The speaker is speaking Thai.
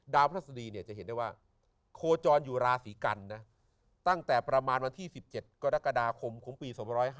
พระศดีเนี่ยจะเห็นได้ว่าโคจรอยู่ราศีกันนะตั้งแต่ประมาณวันที่๑๗กรกฎาคมของปี๒๕๕๙